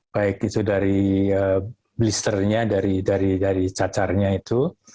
baik itu dari blisternya dari cacarnya itu